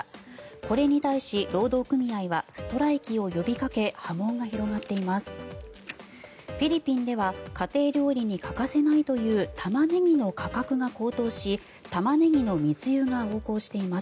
これに対し、労働組合はストライキを呼びかけ波紋が広がっています。